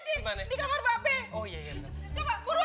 di kamar bapeng